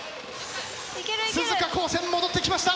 鈴鹿高専戻ってきました。